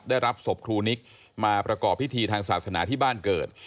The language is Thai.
ได้รับศพครูนิกมาประกอบพิธีทางศาสนาที่บ้านเกิด